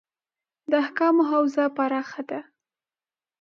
د احکامو حوزه پراخه ده.